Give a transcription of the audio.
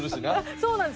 そうなんです。